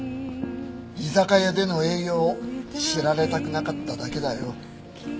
居酒屋での営業を知られたくなかっただけだよ。